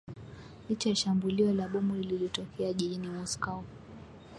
licha ya shambulio la bomu lililotokea jijini moscow